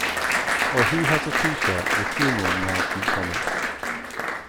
Or who has a T-shirt with funeral announcements on it?